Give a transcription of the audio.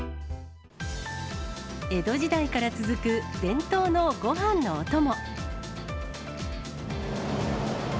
江戸時代から続く、伝統のごはんのお供。